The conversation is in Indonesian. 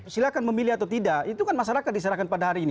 silahkan memilih atau tidak itu kan masyarakat diserahkan pada hari ini